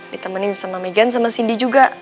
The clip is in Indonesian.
ditemenin sama meghan sama cindy juga